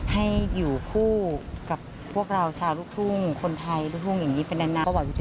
ให้อยู่คู่กับพวกเราชาวลูกทุ่งคนไทยลูกทุ่งอย่างนี้ไปนาน